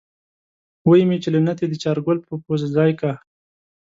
وی مې چې له نتې دې چارګل پۀ پوزه ځای که۔